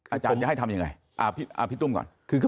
อาจารย์จะให้ทำยังไง